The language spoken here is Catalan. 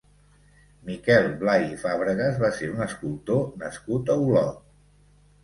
Miquel Blay i Fàbregas va ser un escultor nascut a Olot.